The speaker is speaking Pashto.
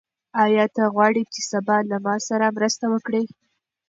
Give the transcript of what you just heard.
آیا ته غواړې چې سبا له ما سره مرسته وکړې؟